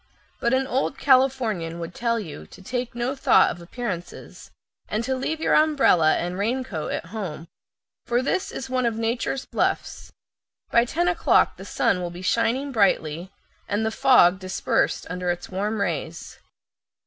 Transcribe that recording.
But an old Californian would tell you to take no thought of appearances, and to leave your umbrella and raincoat at home, for this is one of nature's "bluffs"; by ten o'clock the sun will be shining brightly, and the fog dispersed under its warm rays.